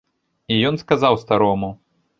І ён сказаў старому.